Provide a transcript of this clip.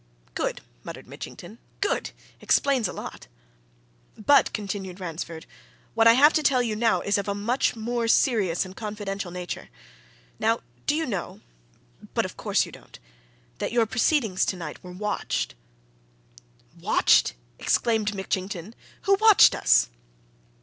"Good!" muttered Mitchington. "Good! Explains a lot." "But," continued Ransford, "what I have to tell you now is of a much more serious and confidential nature. Now, do you know but, of course, you don't! that your proceedings tonight were watched?" "Watched!" exclaimed Mitchington. "Who watched us?"